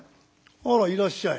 あらいらっしゃい」。